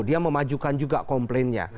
dia memajukan juga komplainnya